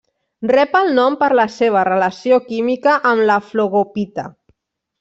Rep el nom per la seva relació química amb la flogopita.